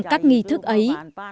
các nghi thức ấy